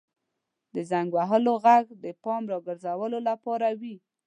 • د زنګ وهلو ږغ د پام راګرځولو لپاره وي.